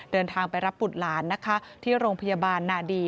เดินทางไปรับบุตรหลานนะคะที่โรงพยาบาลนาดี